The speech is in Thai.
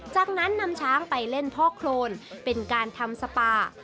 จากนั้นนำช้างไปเล่นพ่อโครนเป็นการทำสปา